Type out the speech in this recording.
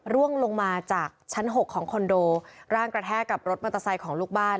ร่วงลงมาจากชั้น๖ของคอนโดร่างกระแทกกับรถมอเตอร์ไซค์ของลูกบ้าน